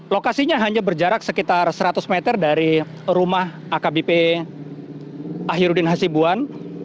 lokasinya hanya berjarak sekitar seratus meter dari rumah akbp ahirudin hasibuan